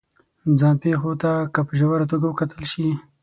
ځان پېښو ته که په ژوره توګه وکتل شي